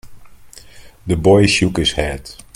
The boy shook his head.